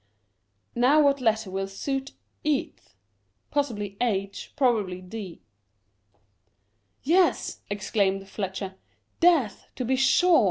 Now what letter will suit eath ? Possibly A, probably dV "Yes," exclaimed Fletcher, ^^ Deaths to be sure.